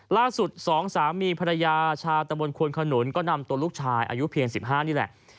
สองสามีภรรยาชาวตะบนควนขนุนก็นำตัวลูกชายอายุเพียง๑๕นี่แหละ